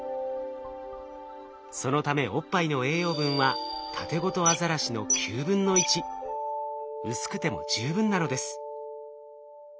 そのためおっぱいの栄養分はタテゴトアザラシの９分の１。薄くても十分なのです。